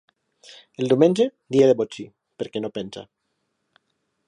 El diumenge, dia de botxí, perquè no penja.